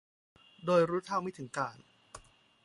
โดยรู้เท่าไม่ถึงการณ์